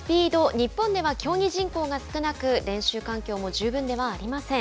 日本では競技人口が少なく練習環境も十分ではありません。